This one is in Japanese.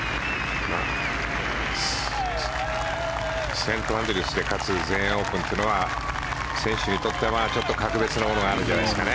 セント・アンドリュースで勝つ全英オープンというのは選手にとってはちょっと格別なものがあるんじゃないですかね。